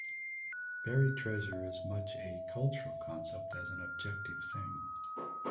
Buried treasure is as much a cultural concept as an objective thing.